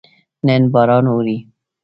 نن باران اوري